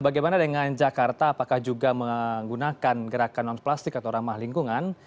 bagaimana dengan jakarta apakah juga menggunakan gerakan non plastik atau ramah lingkungan